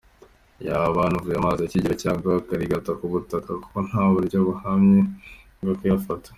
Yaba inaguye amazi akigendera cyangwa akarigita mu butaka kuko nta buryo buhamye bwo kuyafata.